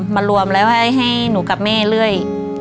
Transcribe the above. มารวมแล้วให้หนูกับแม่เรื่อย